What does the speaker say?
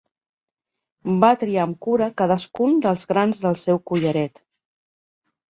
Va triar amb cura cadascun dels grans del seu collaret.